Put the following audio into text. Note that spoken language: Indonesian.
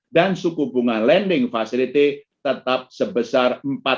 dan suku bunga lending fasilite tetap sebesar empat dua puluh lima